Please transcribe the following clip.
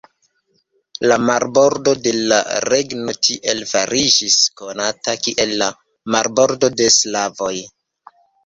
La marbordo de la regno tiel fariĝis konata kiel la "Marbordo de sklavoj".